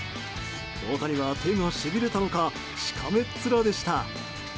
大谷は手がしびれたのかしかめっ面でした。